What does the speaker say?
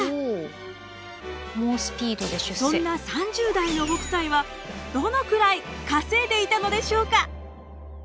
そんな３０代の北斎はどのくらい稼いでいたのでしょうか？